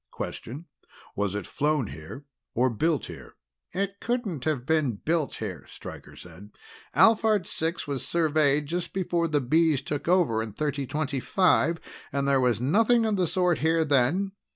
Question: Was it flown here, or built here?" "It couldn't have been built here," Stryker said. "Alphard Six was surveyed just before the Bees took over in 3025, and there was nothing of the sort here then.